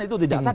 itu tidak sah